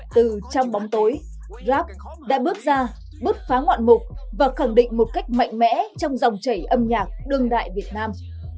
từ trong bóng tối grab đã bước ra bứt phá ngoạn mục và khẳng định một cách mạnh mẽ trong dòng chảy âm nhạc đương đại việt nam